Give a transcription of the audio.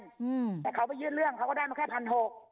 แต่เค้าไปยื่นเรื่องเค้าก็ได้มาแค่พัน๖